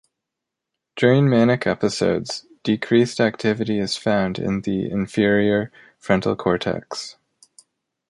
During manic episodes decreased activity is found in the inferior frontal cortex.